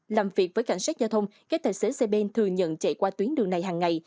làm việc với cảnh sát giao thông các tài xế xe ben thừa nhận chạy qua tuyến đường này hàng ngày